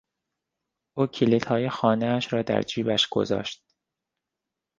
او کلیدهای خانهاش را در جیبش گذاشت.